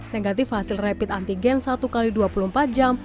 negatif hasil rapid antigen satu x dua puluh empat jam